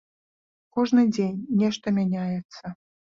Кожны дзень нешта мяняецца.